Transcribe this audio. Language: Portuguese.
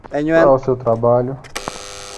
Qual é o seu trabalho?